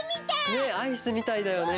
ねっアイスみたいだよね。